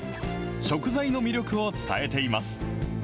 食材の魅力を伝えています。